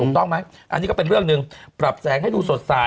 ถูกต้องไหมอันนี้ก็เป็นเรื่องหนึ่งปรับแสงให้ดูสดใส